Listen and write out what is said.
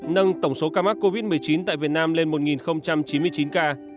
nâng tổng số ca mắc covid một mươi chín tại việt nam lên một chín mươi chín ca